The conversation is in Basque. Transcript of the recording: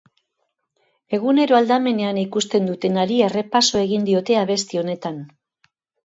Egunero aldamenean ikusten dutenari errepasoa egin diote abesti honetan.